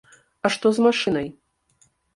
А што з машынай?